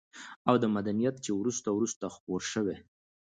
او دا مدنيت چې وروسته وروسته خپور شوى